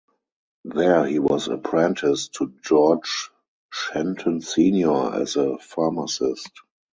There he was apprenticed to George Shenton Senior as a pharmacist.